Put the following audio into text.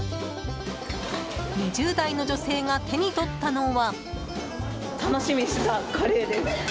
２０代の女性が手に取ったのは。